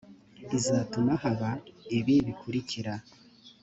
izatuma haba ibi bikurikira